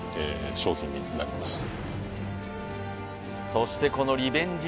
そしてこのリベンジ